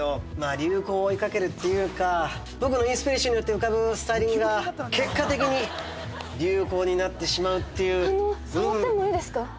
流行を追いかけるっていうか僕のインスピレーションによって浮かぶスタイリングが結果的に流行になってしまうっていうあの触ってもいいですか？